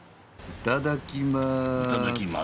いただきます。